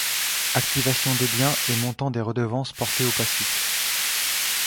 Activation des biens et montant des redevances porté au passif.